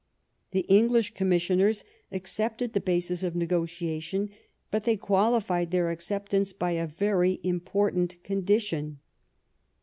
The English conunissioners accepted the basis of negotiation, but they qualified their accept ance by a very important condition.